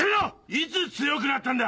いつ強くなったんだ！